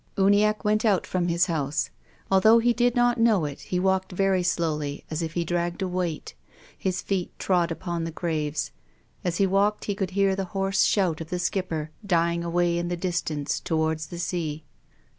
Uniacke went out from his house. Although he did not know it he walked very slowly as if he dragged a weight. His feet trod upon the graves. As he walked he could hear the hoarse shout of the skipper dying away in the distance towards the sea.